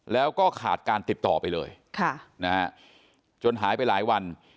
แล้วก็ขาดการติดต่อไปเลยจนหายไปหลายวัน